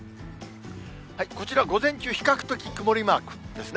こちら、午前中、比較的曇りマークですね。